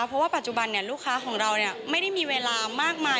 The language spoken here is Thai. เพราะว่าปัจจุบันลูกค้าของเราไม่ได้มีเวลามากมาย